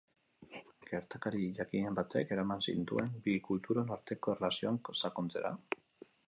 Gertakari jakinen batek eraman zintuen bi kulturon arteko erlazioan sakontzera?